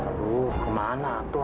aduh kemana tuh